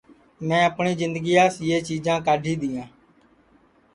میں اپٹؔی جِندگیاس یہ چیجاں کاڈھی دؔیں